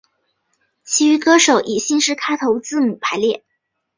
其余歌手以姓氏开头字母排列。